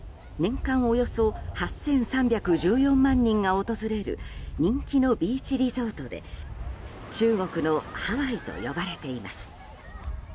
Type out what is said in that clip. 年間およそ８３１４万人が訪れる人気のビーチリゾートで中国のハワイと呼ばれています。